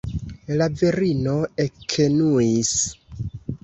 La virino ekenuis.